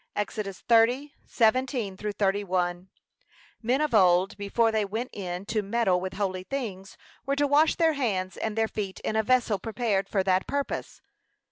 (Ex. 30:17 31) Men of old before they went in to meddle with holy things, were to wash their hands and their feet in a vessel prepared for that purpose.